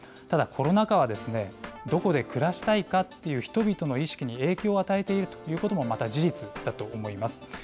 ただコロナ禍はどこで暮らしたいかという人々の意識に影響を与えているということもまた事実だと思います。